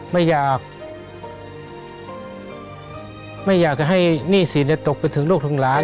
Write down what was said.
ไม่อยากไม่อยากจะให้หนี้สินตกไปถึงลูกถึงหลาน